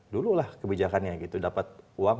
dulu kebijakannya dapat uang